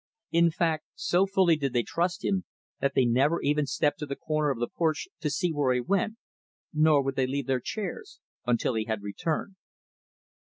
In fact, so fully did they trust him that they never even stepped to the corner of the porch to see where he went; nor would they leave their chairs until he had returned.